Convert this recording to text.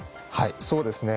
そうですね